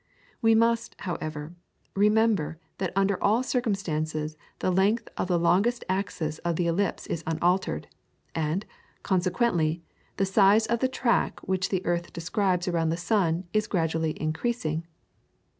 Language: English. We must, however, remember that under all circumstances the length of the longest axis of the ellipse is unaltered, and consequently the size of the track which the earth describes around the sun is gradually increasing.